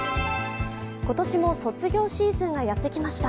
今年も卒業シーズンがやってきましはた。